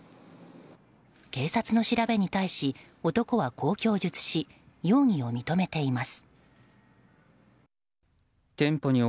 警察の調べに対し男はこう供述し容疑を認めています。